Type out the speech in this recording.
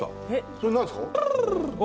それ何ですか？